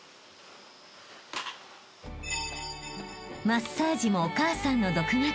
［マッサージもお母さんの独学］